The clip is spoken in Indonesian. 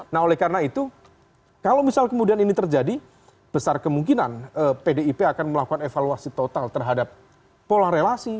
nah oleh karena itu kalau misal kemudian ini terjadi besar kemungkinan pdip akan melakukan evaluasi total terhadap pola relasi